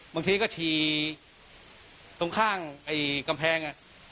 บางทีก็ฉี่ตรงข้างไอ้กำแพง